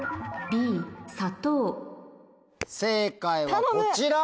正解はこちら。